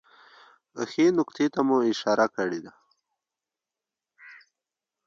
ښې نکتې ته مو اشاره کړې